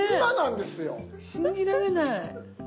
信じられない。